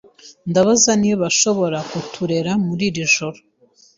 Ndabaza niba ashobora kuturera muri iri joro.